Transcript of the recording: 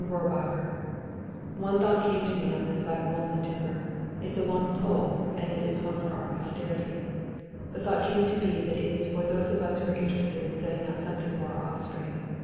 ROHRBACHER: One thought came to me on this black walnut timber. It's a long pull, and it is one for our posterity. The thought came to be that it is for those of us who are interested in setting up something for our offspring.